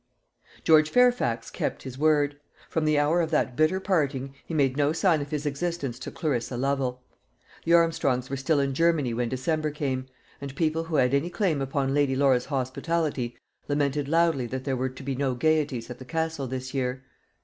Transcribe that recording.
George Fairfax kept his word. From the hour of that bitter parting he made no sign of his existence to Clarissa Lovel. The Armstrongs were still in Germany when December came, and people who had any claim upon Lady Laura's hospitality lamented loudly that there were to be no gaieties at the Castle this year.